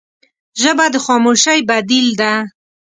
ژبه د خاموشۍ بدیل ده